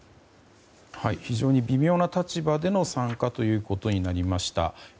非常に微妙な立場での参加ということになりました。